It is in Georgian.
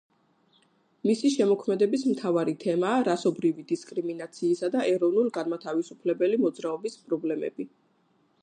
მისი შემოქმედების მთავარი თემაა რასობრივი დისკრიმინაციისა და ეროვნულ-განმათავისუფლებელი მოძრაობის პრობლემები.